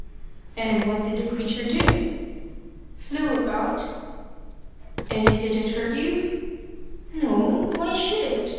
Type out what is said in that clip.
"And what did the creature do?" "Flew about." "And it didn't hurt you?" "No. Why should it?